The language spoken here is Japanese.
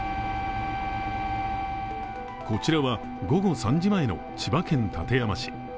こちらは午後３時前の千葉県館山市。